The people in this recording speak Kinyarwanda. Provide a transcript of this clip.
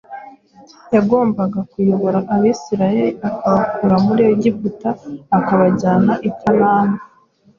yagombaga kuyobora abisirayeli abakura muri Egiputa abajyana I kanani